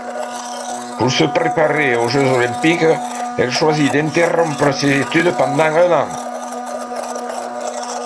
Pour se préparer aux Jeux olympiques, elle choisit d'interrompre ses études pendant un an.